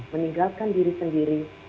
meninggalkan diri sendiri